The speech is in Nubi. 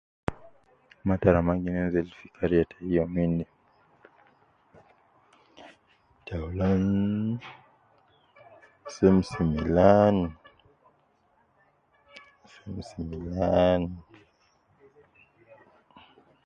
Matara ma gi nenzil fi kariya tai youm inde, taulan semsi milan, semsi milan